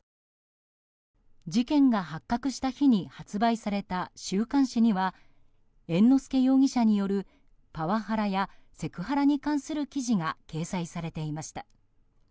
事件が発覚した日に発売された週刊誌には猿之助容疑者によるパワハラやセクハラに関する記事が掲載されていました。